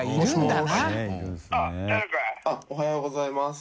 大雅Ｄ）おはようございます。